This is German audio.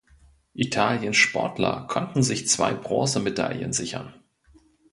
Italiens Sportler konnten sich zwei Bronzemedaillen sichern.